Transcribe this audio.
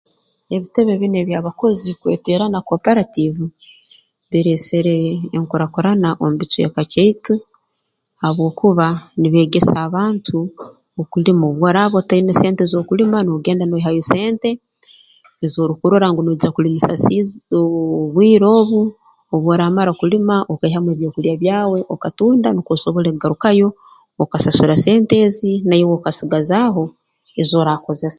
Ebitebe binu eby'abakozi kweteerana cooperative bireesere enkurakurana omu bicweka kyaitu habwokuba nibeegesa abantu okulima obu oraaba otaine sente z'okulima noogenda noihayo sente ezoorukurora nogya kulimisa siizo obwire obu obu oraamara kulima okaihamu ebyokulya byawe okatunda nukwo osobole kugarukayo okasasura sente ezi naiwe okasigazaaho ezoorakozesa